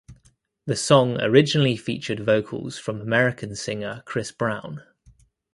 The song originally featured vocals from American singer Chris Brown.